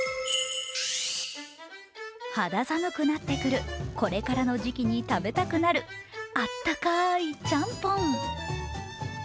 肌寒くなってくるこれからの時期に食べたくなるあったかいちゃんぽん。